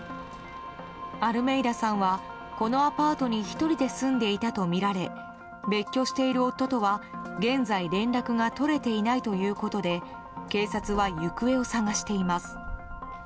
アルメイダさんはこのアパートに１人で住んでいたとみられ別居している夫とは現在連絡が取れていないということで警察は行方を捜しています。